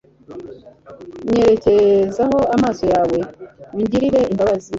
nyerekezaho amaso yawe, ungirire imbabazi